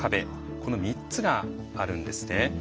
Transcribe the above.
この３つがあるんですね。